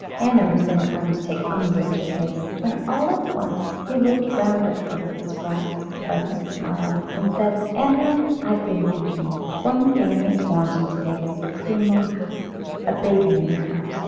Anna was inclined to take umbrage at this, when all at once he looked round at her with his bright pleasant smile and said, "Annerl! I have been thinking. One thing is wanted to make us supremely happy a baby in the house.